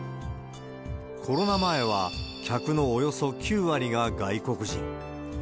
コロナ前は、客のおよそ９割が外国人。